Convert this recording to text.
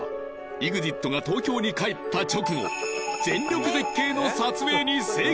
ＥＸＩＴが東京に帰った直後全力絶景の撮影に成功！